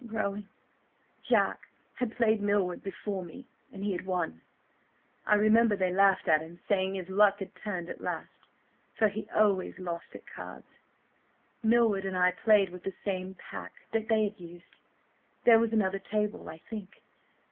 .. growing. "Jack had played Milward before me, and he had won. I remember they laughed at him, saying his luck had turned at last–for he always lost at cards. Milward and I played with the same pack that they had used. ... There was another table, I think.